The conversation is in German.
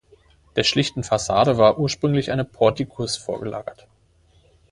Der schlichten Fassade war ursprünglich eine Portikus vorgelagert.